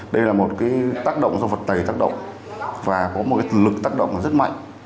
đây là một cái tác động do vật tày tác động và có một lực tác động rất mạnh